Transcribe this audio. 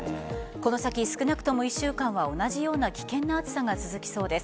この先、少なくとも１週間は同じような危険な暑さが続きそうです。